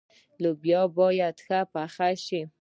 لوبیا باید ښه پخه شي.